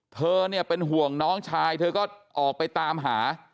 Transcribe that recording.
เธอเนี่ยเป็นห่วงน้องชายเธอก็ออกไปตามหา